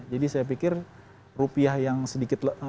jadi saya pikir rupiah yang sedikit